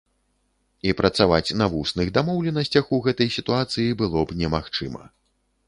І працаваць на вусных дамоўленасцях у гэтай сітуацыі было б немагчыма.